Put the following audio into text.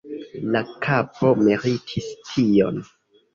La kapo meritis tion.